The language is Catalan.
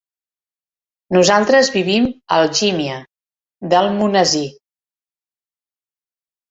Nosaltres vivim a Algímia d'Almonesir.